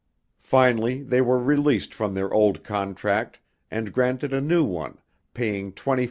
Finally they were released from their old contract and granted a new one paying $25,000.